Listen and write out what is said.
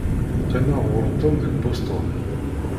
Qqimeɣ ɣur Tom deg Boston.